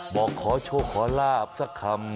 บอกขอโชคขอลาบสักคำ